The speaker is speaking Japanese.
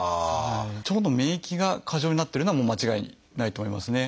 腸の免疫が過剰になってるのはもう間違いないと思いますね。